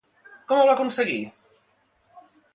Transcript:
Com el va aconseguir?